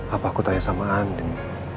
apa aku tanya sama anden